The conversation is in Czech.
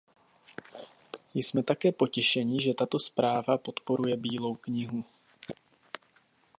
Jsme také potěšeni, že tato zpráva podporuje bílou knihu.